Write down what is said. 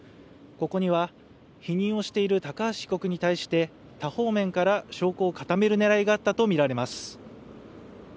ここには否認をしている高橋被告に対して多方面から証拠を固める狙いがあったとみられます。